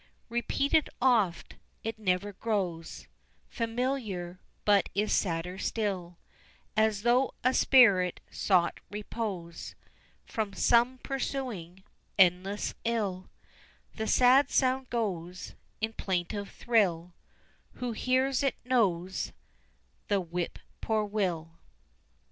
Repeated oft, it never grows Familiar; but is sadder still, As though a spirit sought repose From some pursuing, endless ill, The sad sound goes In plaintive thrill; Who hears it knows The Whip poor will.